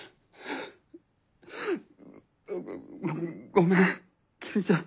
ごめん公ちゃん。